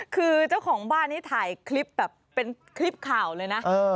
คือเจ้าของบ้านนี้ถ่ายคลิปแบบเป็นคลิปข่าวเลยนะ